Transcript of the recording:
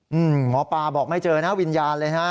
หมอปลาบอกไม่เจอนะวิญญาณเลยฮะ